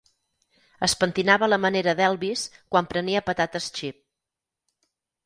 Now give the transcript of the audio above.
Es pentinava a la manera d'Elvis quan prenia patates xip.